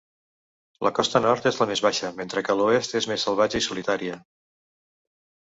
La costa nord és la més baixa, mentre que l'oest és més salvatge i solitària.